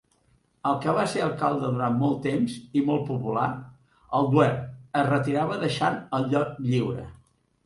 El que va ser alcalde durant molt temps, i molt popular, Al Duerr, es retirava deixant el lloc lliure.